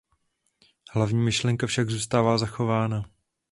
Hlavní myšlenka však zůstává zachována.